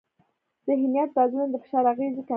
ذهنیت بدلون د فشار اغېزې کموي.